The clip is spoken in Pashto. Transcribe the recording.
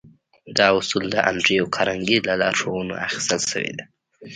دا اصول د انډريو کارنګي له لارښوونو اخيستل شوي دي.